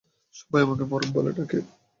সবাই আমাকে পরম বলে ডাকে।